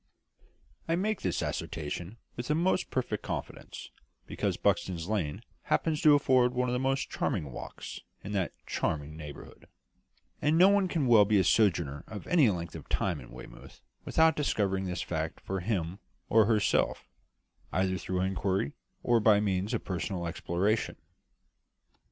I make this assertion with the most perfect confidence, because Buxton's Lane happens to afford one of the most charming walks in that charming neighbourhood; and no one can well be a sojourner for any length of time in Weymouth without discovering this fact for him or herself, either through inquiry or by means of personal exploration.